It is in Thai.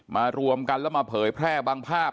รวมกันแล้วมาเผยแพร่บางภาพ